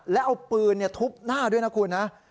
แล้วเอาปืนทุบหน้าด้วยนะคุณนะ